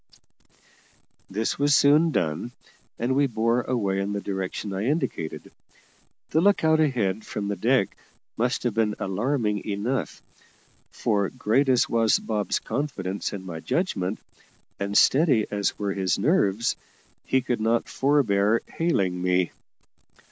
This was soon done, and we bore away in the direction I indicated. The look out ahead from the deck must have been alarming enough, for great as was Bob's confidence in my judgment, and steady as were his nerves, he could not forbear hailing me.